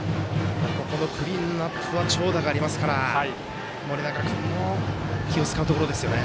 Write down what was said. ここのクリーンアップは長打がありますから盛永君も気を使うところですね。